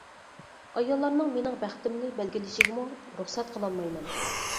ئاياللارنىڭ مېنىڭ بەختىمنى بەلگىلىشىگىمۇ رۇخسەت قىلالمايمەن.